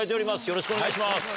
よろしくお願いします。